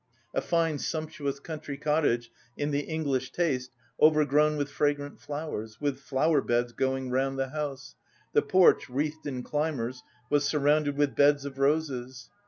A fine, sumptuous country cottage in the English taste overgrown with fragrant flowers, with flower beds going round the house; the porch, wreathed in climbers, was surrounded with beds of roses.